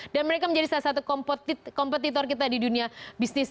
dan mereka menjadi salah satu kompetitor kita di dunia bisnis